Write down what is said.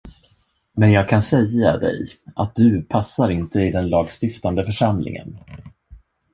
Men jag kan säga dig att du passar inte i den lagstiftande församlingen.